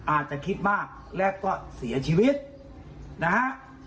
อาจจะคิดมากและก็เสียชีวิตนะฮะ